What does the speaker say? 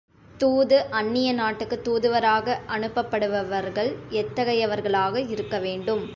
தூது அந்நிய நாட்டுக்குத் தூதுவராக அனுப்பப்படுபவர்கள் எத்தகையவர்களாக இருக்க வேண்டும்?